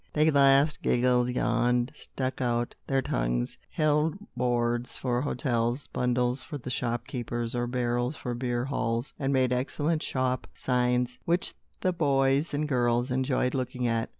They laughed, giggled, yawned, stuck out their tongues, held boards for hotels, bundles for the shopkeepers, or barrels for beer halls, and made excellent shop signs, which the boys and girls enjoyed looking at.